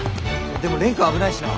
でも蓮くん危ないしな。